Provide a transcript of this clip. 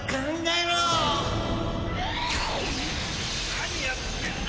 何やってんだ